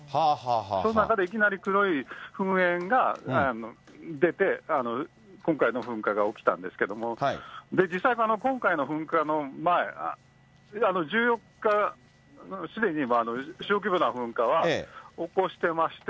その中でいきなり黒い噴煙が出て、今回の噴火が起きたんですけれども、実際、今回の噴火の前、１４日、すでに小規模な噴火は起こしてまして、